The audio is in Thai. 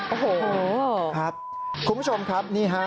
โอ้โหครับคุณผู้ชมครับนี่ฮะ